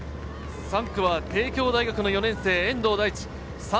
３区は帝京大学の４年生・遠藤大地。